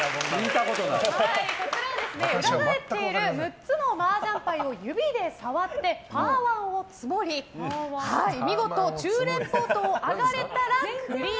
こちらは裏返っている６つのマージャン牌を指で触ってパーワンをツモり、見事チューレンポウトウをアガれたらクリア。